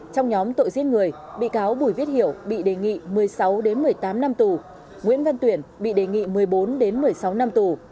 trong nhóm tội giết người bị cáo bùi viết hiểu bị đề nghị một mươi sáu một mươi tám năm tù nguyễn văn tuyển bị đề nghị một mươi bốn một mươi sáu năm tù